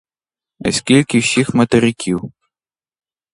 А скільки всіх материків?